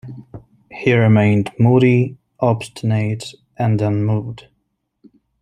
He remained moody, obstinate, and unmoved.